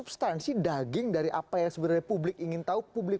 saya udah tahu pak